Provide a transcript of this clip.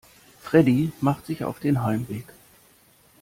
Freddie machte sich auf dem Heimweg.